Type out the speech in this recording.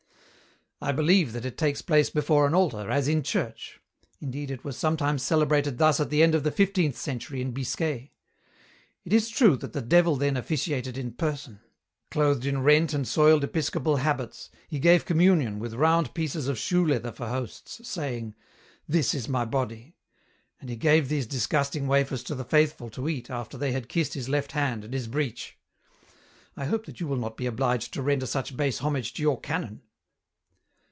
"I believe that it takes place before an altar as in church. Indeed it was sometimes celebrated thus at the end of the fifteenth century in Biscay. It is true that the Devil then officiated in person. Clothed in rent and soiled episcopal habits, he gave communion with round pieces of shoe leather for hosts, saying, 'This is my body.' And he gave these disgusting wafers to the faithful to eat after they had kissed his left hand and his breech. I hope that you will not be obliged to render such base homage to your canon."